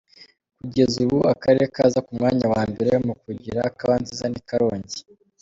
Kugeza ubu akarere kaza ku mwanya wa mbere mu kugira Kawa nziza ni Karongi.